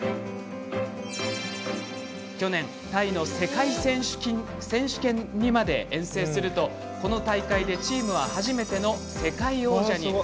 去年タイの世界選手権にまで遠征すると、この大会でチームは初めての世界王者に。